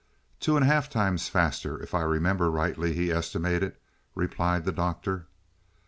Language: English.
"Two and a half times faster, if I remember rightly, he estimated," replied the Doctor.